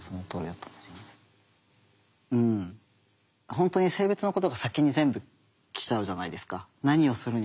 本当に性別のことが先に全部来ちゃうじゃないですか何をするにも。